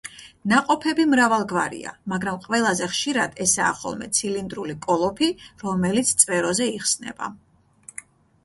ნაყოფები მრავალგვარია, მაგრამ ყველაზე ხშირად ესაა ხოლმე ცილინდრული კოლოფი, რომელიც წვეროზე იხსნება.